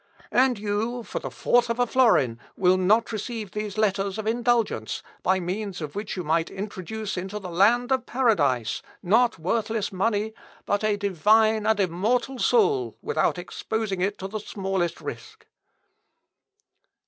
And, you, for the fourth of a florin, will not receive these letters of indulgence, by means of which you might introduce into the land of paradise, not worthless money, but a divine and immortal soul, without exposing it to the smallest risk."